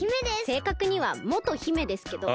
せいかくにはもと姫ですけど。